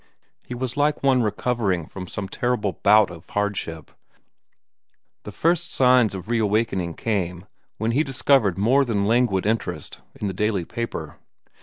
He was like one recovering from some terrible bout of hardship. The first signs of reawakening came when he discovered more than languid interest in the daily paper.